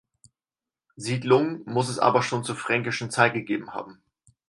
Siedlungen muss es aber schon zur fränkischen Zeit gegeben haben.